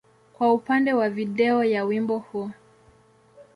kwa upande wa video ya wimbo huu.